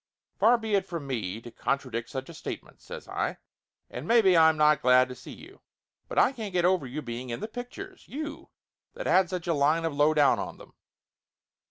"Far be it from me to contradict such a statement," says I. "And maybe I'm not glad to see you! But I can't get over you being in the pictures ! You, that had such a line of lowdown on them."